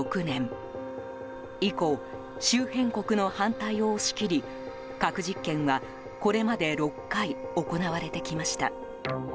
以降、周辺国の反対を押し切り核実験は、これまで６回行われてきました。